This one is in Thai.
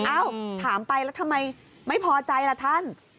ถามไปแล้วทำไมไม่พอใจล่ะท่าน